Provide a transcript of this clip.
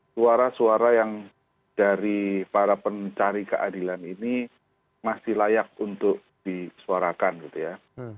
suara suara yang dari para pencari keadilan ini masih layak untuk disuarakan gitu ya